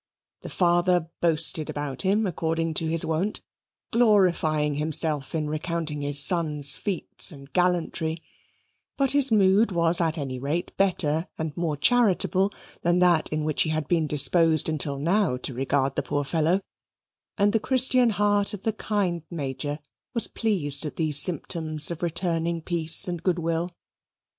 The father boasted about him according to his wont, glorifying himself in recounting his son's feats and gallantry, but his mood was at any rate better and more charitable than that in which he had been disposed until now to regard the poor fellow; and the Christian heart of the kind Major was pleased at these symptoms of returning peace and good will.